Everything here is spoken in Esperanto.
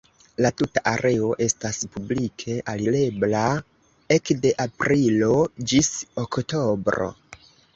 La tuta areo estas publike alirebla ekde aprilo ĝis oktobro.